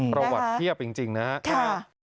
ประวัติเทียบจริงนะฮะค่ะใช่ไหมครับ